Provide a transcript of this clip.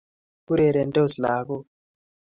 urerendos lagok